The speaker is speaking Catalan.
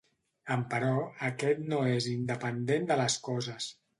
Emperò, aquest no és independent de les coses.